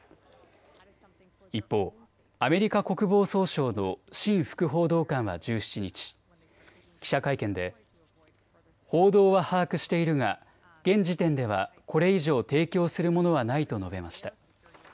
一方、アメリカ国防総省のシン副報道官は１７日、記者会見で報道は把握しているが現時点ではこれ以上、提供するものはないと述べました。